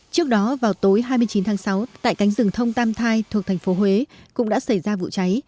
trước đó vào tối hai mươi chín tháng sáu tại cánh rừng thông tam thai thuộc thành phố huế cũng đã xảy ra vụ cháy